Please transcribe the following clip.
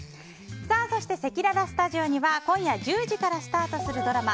そして、せきららスタジオには今夜１０時からスタートするドラマ